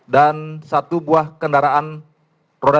dan satu buah kendaraan roda dua